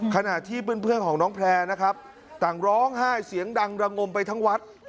ขณะที่เพื่อนของน้องแพร่นะครับต่างร้องไห้เสียงดังระงมไปทั้งวัด